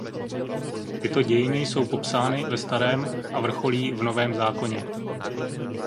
Tyto dějiny jsou popsány ve Starém a vrcholí v Novém zákoně.